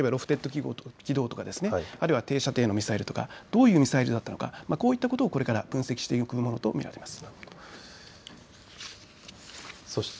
それがどういう、ロフテッド軌道とかあるいは低射程のミサイルとかどういうミサイルだったのか、こういうことをこれから分析していくことと見られます。